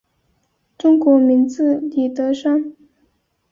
中国名字李德山。